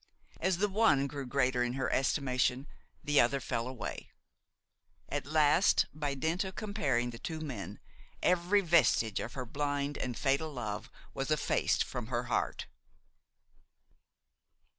As the one grew greater in her estimation, the other fell away. At last, by dint of comparing the two men, every vestige of her blind and fatal love was effaced from her heart.